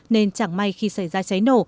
nên chẳng may khi xảy ra cháy nổ